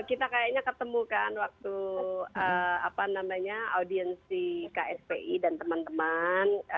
kita kayaknya ketemu kan waktu audiensi kspi dan teman teman